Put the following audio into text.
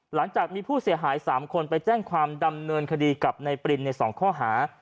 หลังจากมีผู้เสียหาย๓คนไปแจ้งความดำเนินคดีกับนายปรินใน๒ข้อหา